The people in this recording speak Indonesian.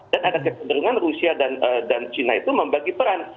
dan ada kecenderungan rusia dan china itu membagi peran